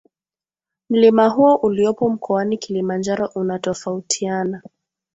Mlima huo uliopo mkoani Kilimanjaro unatofautiana